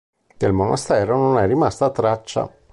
Del monastero non è rimasta traccia.